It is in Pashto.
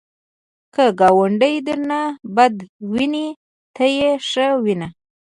که ګاونډی درنه بد ویني، ته یې ښه وینه